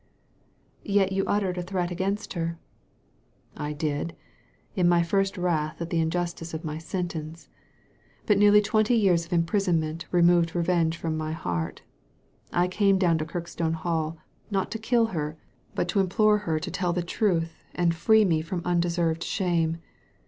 " Yet you uttered a threat against her." ! did, in my first wrath at the injustice of my sentence ; but nearly twenty years of imprisonment removed revenge from my heart I came down to Kirkstone Hall not to kill her, but to implore her to Digitized by Google 238 THE LADY FROM NOWHERE tell the truth, and free me from undeserved shame.